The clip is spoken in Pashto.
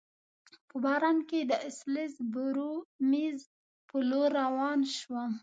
په باران کي د اسلز بورومیز په لور روان شوم.